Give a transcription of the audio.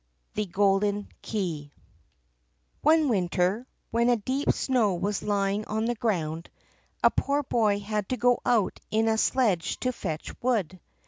The Golden Key One winter, when a deep snow was lying on the ground, a poor boy had to go out in a sledge to fetch wood.